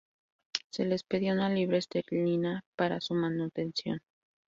Se les pedía una libra esterlina para su manutención.